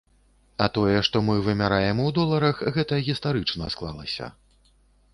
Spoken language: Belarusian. А тое, што мы вымяраем у доларах, гэта гістарычна склалася.